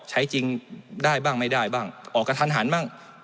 ใช้จริงได้บ้างไม่ได้บ้างออกกระทันหันบ้าง